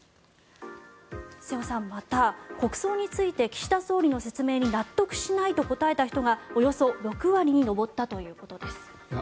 瀬尾さん、また国葬について岸田総理の説明に納得しないと答えた人がおよそ６割に上ったということです。